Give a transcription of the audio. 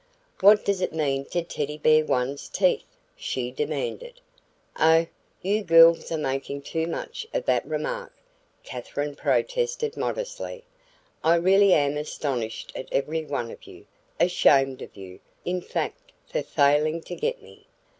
"What does it mean to Teddy Bear one's teeth?" she demanded. "Oh, you girls are making too much of that remark," Katherine protested modestly, "I really am astonished at every one of you, ashamed of you, in fact, for failing to get me.